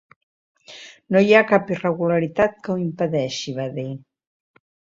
No hi ha cap irregularitat que ho impedeixi, va dit.